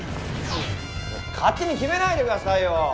勝手に決めないでくださいよ！